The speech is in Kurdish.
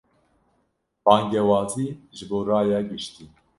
Bangewazî ji bo raya giştî